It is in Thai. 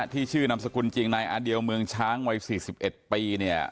ที่ชื่อนำสกุลจริงในอเดียวเมืองช้างวัยสี่สิบเอ็ดปีเนี่ย